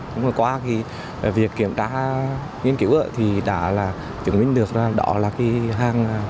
vừa qua thì việc kiểm tra nghiên cứu thì đã chứng minh được là đó là hàng